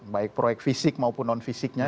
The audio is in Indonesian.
baik proyek fisik maupun non fisiknya